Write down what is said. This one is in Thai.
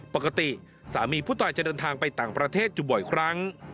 ปกติสามีผู้ตายจะเดินทางไปต่างประเทศอยู่บ่อยครั้ง